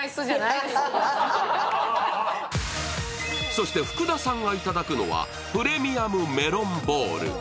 そして福田さんがいただくのはプレミアムメロンボール。